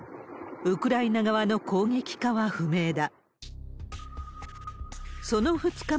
ウクライナ側の攻撃かは不明だ。